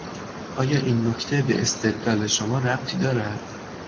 آیا این نکته به استدلال شما ربطی دارد؟